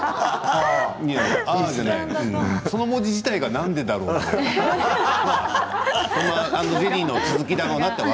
その文字自体が何でだろう、なんだよ。